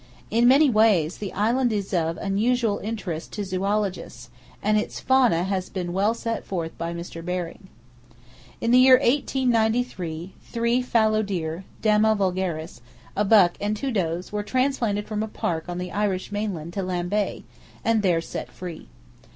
In many ways the island is of unusual interest to zoologists, and its fauna has been well set forth by Mr. Baring. In the year 1892 three fallow deer (Dama vulgaris) a buck and two does, were transplanted from a park on the Irish mainland to Lambay, and there set free.